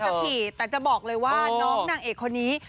สักทีแต่จะบอกเลยว่าน้องนางเอกคนนี้